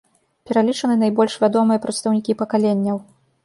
Пералічаны найбольш вядомыя прадстаўнікі пакаленняў.